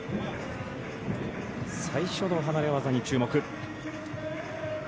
最初の離れ技に注目。